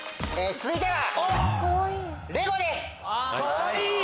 続いては。